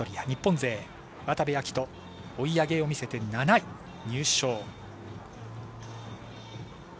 日本勢、渡部暁斗追い上げを見せて７位入賞。